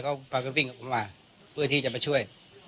เขาก็วิ่งกับผมมาเพื่อที่จะมาช่วย